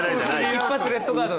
一発レッドカード。